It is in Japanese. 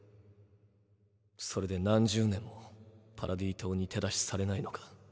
それで何十年もパラディ島に手出しされないのか？